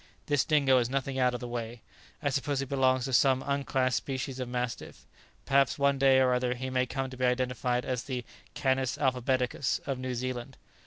This Dingo is nothing out of the way. I suppose he belongs to some unclassed species of mastiff. Perhaps one day or other he may come to be identified as the 'canis alphabeticus' of New Zealand."